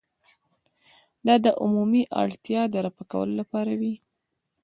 دا د عمومي اړتیا د رفع کولو لپاره وي.